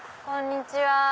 こんにちは。